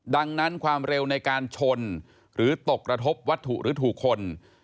ดังนั้นความเร็วในการชนหรือตกกระทบวัตถุหรือถูกคน